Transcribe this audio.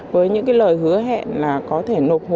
với những lời hứa hẹn là có thể nộp hồn